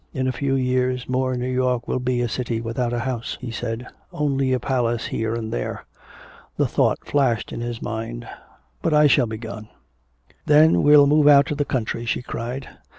In a few years more New York will be a city without a house," he said. "Only a palace here and there." The thought flashed in his mind, "But I shall be gone." "Then we'll move out to the country!" she cried.